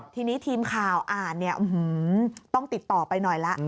ทีนี้ทีมข่าวอ่านเนี่ยต้องติดต่อไปหน่อยละ